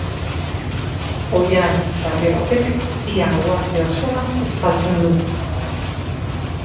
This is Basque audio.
Oihan sarri batek ia uharte osoa estaltzen du.